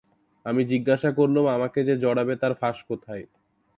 আমি জিজ্ঞাসা করলুম, আমাকে যে জড়াবে তার ফাঁস কোথায়?